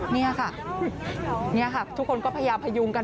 นี่ค่ะทุกคนก็พยายามพยุงกัน